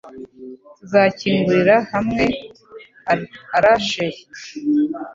tuzakingurira hamwe ARA sheri